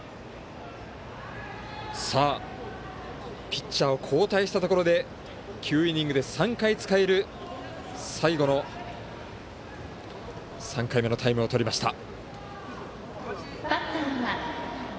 ピッチャーを交代したところで９イニングで３回使える最後の３回目のタイムをとりました。